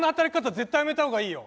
絶対やめた方がいいよ